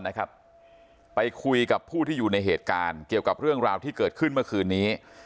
นี่ค่ะมีคนถ่ายคลิปเอาไว้ได้